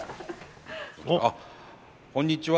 あっこんにちは